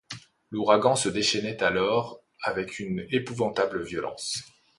L’ouragan se déchaînait alors avec une épouvantable violence.